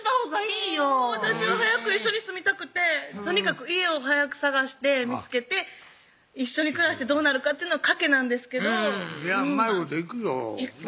私は早く一緒に住みたくてとにかく家を早く探して見つけて一緒に暮らしてどうなるかって賭けなんですけどうまいこといくよほな